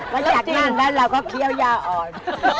มาจากนั่นแล้วเราก็เคี้ยวยาอ่อน